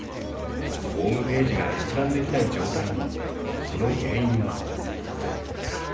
ホームページが閲覧できない状態に。